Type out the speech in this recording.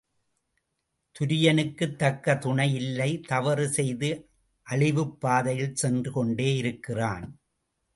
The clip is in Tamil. துரியனுக்குத் தக்க துணை இல்லை தவறு செய்து அழிவுப்பாதையில் சென்று கொண்டே இருக்கிறான்.